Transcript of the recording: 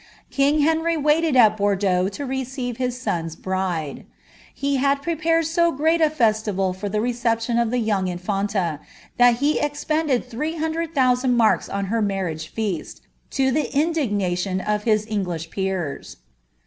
King Henry waited at Bordeaux to receive his son's bride.' He prepared so grand a festival for the reception of the young Infanta, oe expended three hundred thousand marks on her marriage feast, le indignation of his English peers.